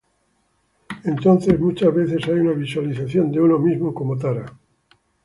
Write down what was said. Entonces, muchas veces hay una visualización de uno mismo como Tara.